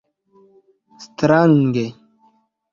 Strange.